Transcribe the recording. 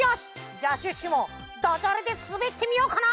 じゃあシュッシュもだじゃれですべってみようかな？